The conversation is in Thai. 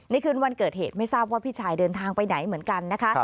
คืนวันเกิดเหตุไม่ทราบว่าพี่ชายเดินทางไปไหนเหมือนกันนะคะ